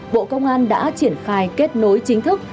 bộ công an đã triển khai kết nối chính thức